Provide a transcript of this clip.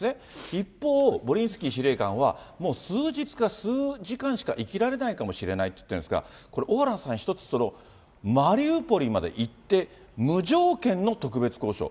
一方、ボリンスキー司令官は、もう数日か数時間しか生きられないかもしれないと言ってるんですが、これ、小原さん、これ、マリウポリまで行って、無条件の特別交渉。